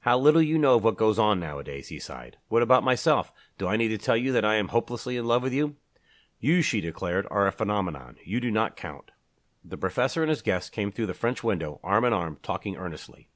"How little you know of what goes on nowadays!" he sighed. "What about myself? Do I need to tell you that I am hopelessly in love with you?" "You," she declared, "are a phenomenon. You do not count." The professor and his guest came through the French window, arm in arm, talking earnestly.